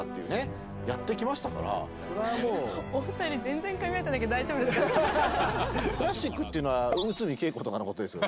お二人クラシックっていうのは内海桂子とかのことですよね？